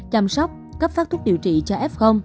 chăm sóc cấp phát thuốc điều trị cho f